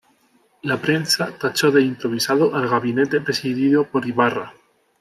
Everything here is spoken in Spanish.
La prensa tachó de improvisado al gabinete presidido por Ibarra.